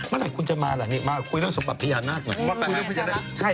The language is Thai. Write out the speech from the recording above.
เมื่อไหร่คุณจะมาล่ะนี่มาคุยเรื่องสมบัติพญานาคหน่อย